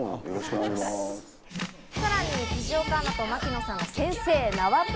さらに辻岡アナと槙野さんの先生、名和秋